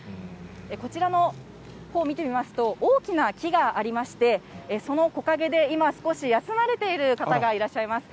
こちらのほう見てみますと、大きな木がありまして、その木陰で今、少し休まれている方がいらっしゃいます。